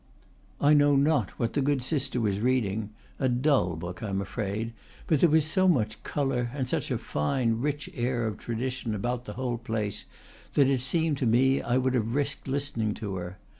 I know not what the good sister was reading, a dull book, I am afraid, but there was so much color, and such a fine, rich air of tradition about the whole place, that it seemed to me I would have risked listening to her.